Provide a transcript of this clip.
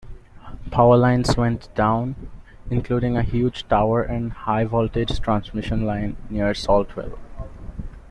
Power lines went down, including a huge tower and high-voltage transmission line near Saltwell.